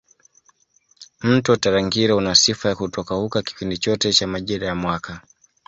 Mto Tarangire una sifa ya kutokauka kipindi chote cha majira ya mwaka